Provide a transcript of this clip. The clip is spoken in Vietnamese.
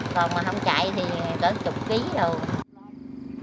còn mà không chạy thì tới chục ký rồi